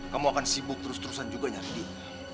kamu akan sibuk terus terusan juga nyari dia